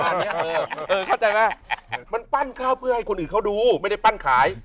อันนี้เข้าใจไหมมันปั้นข้าวเพื่อให้คนอื่นเขาดูไม่ได้ปั้นขาย